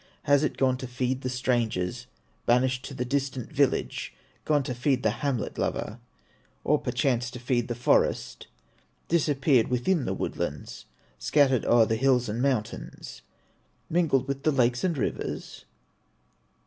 Has it gone to feed the strangers, Banished to the distant village, Gone to feed the hamlet lover, Or perchance to feed the forest, Disappeared within the woodlands, Scattered o'er the hills and mountains, Mingled with the lakes and rivers?